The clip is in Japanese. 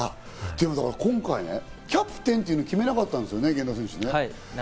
今回キャプテンというのは決めなかったんですよね。